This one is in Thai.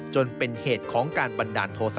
จนเป็นเหตุของการบันดาลโทษะ